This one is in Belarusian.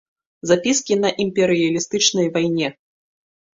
Запіскі на імперыялістычнай вайне.